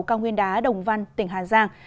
cao nguyên đá đồng văn tỉnh hà giang